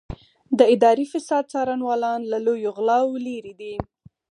د اداري فساد څارنوالان له لویو غلاوو لېرې دي.